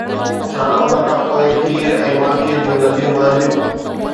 ڇا ان کانپوءِ کير ۽ ماکي جون نديون وهنديون؟